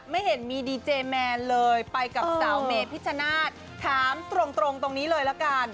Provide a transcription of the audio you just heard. ไม่เห็นมีดีเจแมนเลยไปกับสาวเมพิชชนาธิ์ถามตรงตรงนี้เลยละกัน